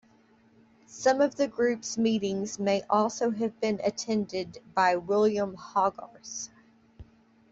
Some of the group's meetings may also have been attended by William Hogarth.